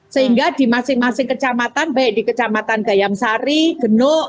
sehingga di masing masing kecamatan baik di kecamatan gayam sari genuk